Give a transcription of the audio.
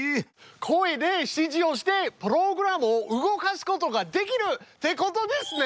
声で指示をしてプログラムを動かすことができるってことですね！